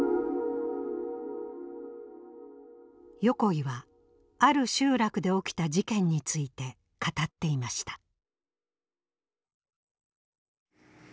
横井はある集落で起きた事件について語っていました。